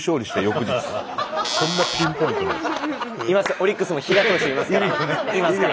オリックスも比嘉投手いますから。